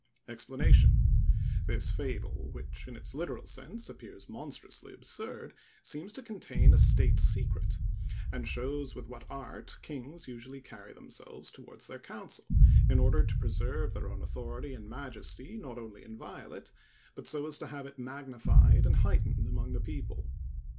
EXPLANATION.—This fable, which in its literal sense appears monstrously absurd, seems to contain a state secret, and shows with what art kings usually carry themselves towards their council, in order to preserve their own authority and majesty not only inviolate, but so as to have it magnified and heightened among the people.